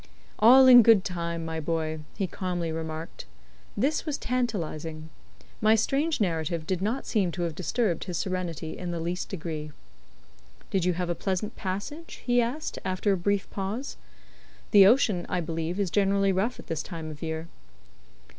"All in good time, my boy," he calmly remarked. This was tantalizing. My strange narrative did not seem to have disturbed his serenity in the least degree. "Did you have a pleasant passage?" he asked, after a brief pause. "The ocean, I believe, is generally rough at this time of year."